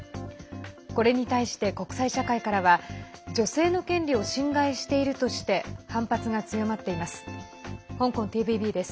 これに対して国際社会からは女性の権利を侵害しているとして反発が強まっています。